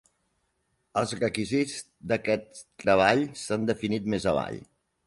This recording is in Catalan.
Els requisits d'aquest treball s'han definit més avall.